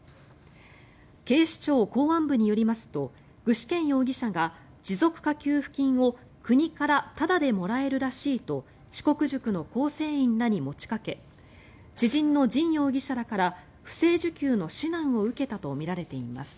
警視庁公安部によりますと具志堅容疑者が持続化給付金を国からタダでもらえるらしいと志國塾の構成員らに持ちかけ知人のジン容疑者らから不正受給の指南を受けたとみられています。